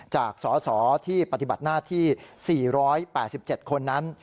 จากสสที่ปฏิบัติหน้าที่๔๘๗คนนั้น